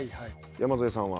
山添さんは？